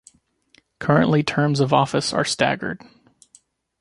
Currently terms of office are staggered.